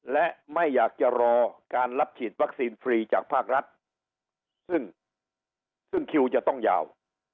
และไม่อยากจะรอการรับฉีดวัคซีนฟรีจากภาครัฐซึ่งซึ่งคิวจะต้องยาว